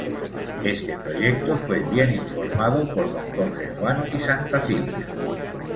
Este proyecto fue bien informado por don Jorge Juan y Santacilia.